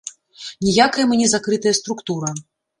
Ніякая мы не закрытая структура.